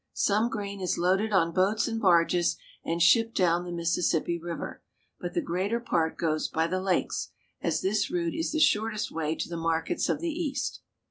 Some grain is loaded on boats and barges and shipped down the Mississippi River ; but the greater part goes by the lakes, as this route is the shortest way to the markets of the East.